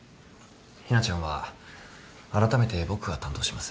日菜ちゃんはあらためて僕が担当します。